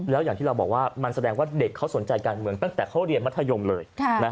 แล้วอย่างที่เราบอกว่ามันแสดงว่าเด็กเขาสนใจการเมืองตั้งแต่เขาเรียนมัธยมเลย